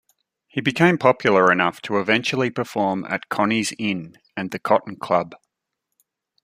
He became popular enough to eventually perform at Connie's Inn and the Cotton Club.